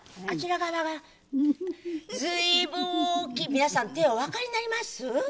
皆さん手おわかりになります？